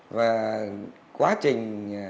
và quá trình